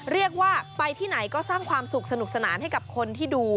เรียกว่าไปที่ไหนก็สร้างความสุขสนุกสนานให้กับคนที่ดู